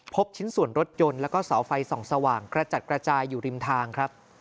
ชิ้นส่วนรถยนต์แล้วก็เสาไฟส่องสว่างกระจัดกระจายอยู่ริมทางครับ